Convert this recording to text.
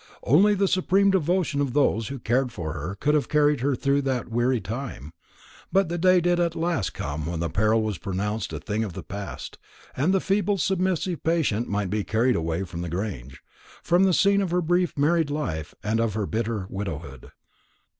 Only the supreme devotion of those who cared for her could have carried her through that weary time; but the day did at last come when the peril was pronounced a thing of the past, and the feeble submissive patient might be carried away from the Grange from the scene of her brief married life and of her bitter widowhood.